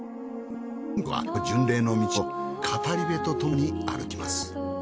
今回はこの巡礼の道を語り部とともに歩きます。